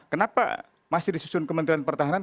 kenapa masih disusun kementerian pertahanan